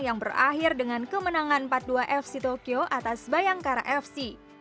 yang berakhir dengan kemenangan empat dua fc tokyo atas bayangkara fc